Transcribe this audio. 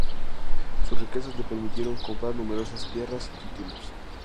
Sus riquezas le permitieron comprar numerosas tierras y títulos.